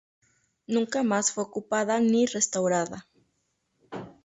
Nunca más fue ocupada ni restaurada.